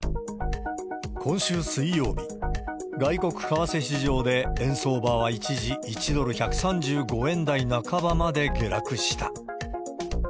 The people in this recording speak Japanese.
今週水曜日、外国為替市場で円相場は一時、１ドル１３５円台半ばまで下落した。